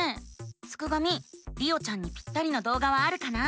すくがミりおちゃんにぴったりな動画はあるかな？